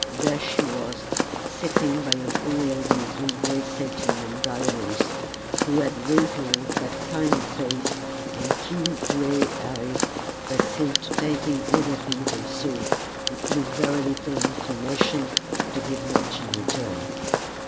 There she was, sitting by an old lady in gray satin and diamonds, who had a wrinkled but kindly face and keen gray eyes that seemed to take in everything they saw, with very little inclination to give much in return.